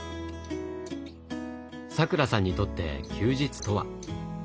さくらさんにとって休日とは？